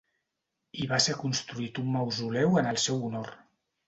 Hi va ser construït un mausoleu en el seu honor.